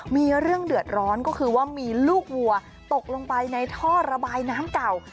มีเรื่องเดือดร้อนก็คือว่ามีลูกวัวตกลงไปในท่อระบายน้ำเก่า